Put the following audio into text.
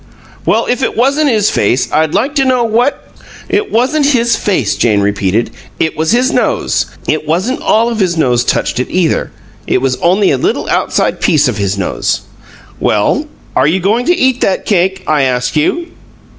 "Well, if it wasn't his face, I'd like to know what " "It wasn't his face," Jane repeated. "It was his nose. It wasn't all of his nose touched it, either. It was only a little outside piece of his nose." "Well, are you going to eat that cake, I ask you?"